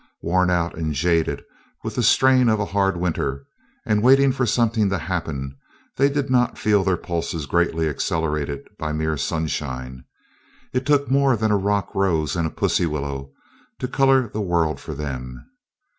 Worn out and jaded with the strain of a hard winter and waiting for something to happen, they did not feel their pulses greatly accelerated by mere sunshine. It took more than a rock rose and a pussy willow to color the world for them.